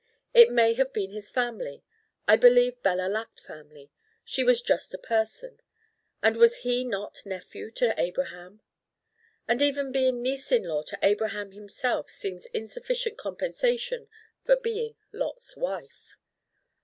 It may have been his family. I believe Bella lacked family: she was just a person. And was he not nephew to Abraham? But even being niece in law to Abraham himself seems insufficient compensation for being Lot's Wife.